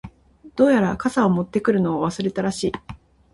•どうやら、傘を持ってくるのを忘れたらしい。